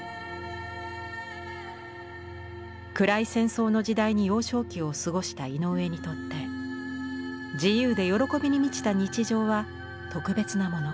暗い戦争の時代に幼少期を過ごした井上にとって自由で喜びに満ちた日常は特別なもの。